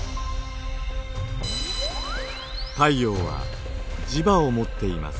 太陽は磁場を持っています。